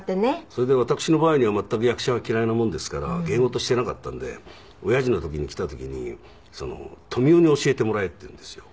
それで私の場合には全く役者は嫌いなもんですから芸事をしてなかったので親父の時に来た時に「富美男に教えてもらえ」って言うんですよ。